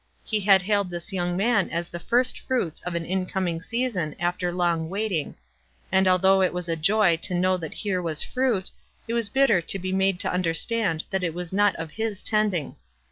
He had hailed this young man as the first fruits of an incoming season, after long waiting ; and although it was a joy to know that here was fruit, it was bitter to be made to understand that it was not of his tending.